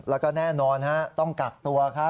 แล้วก็แน่นอนต้องกักตัวครับ